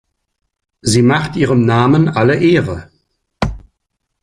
Sie macht ihrem Namen alle Ehre.